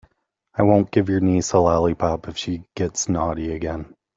I won't give your niece a lollipop if she gets naughty again.